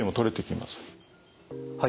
はい。